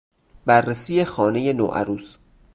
بررسی خانه ی نوعروس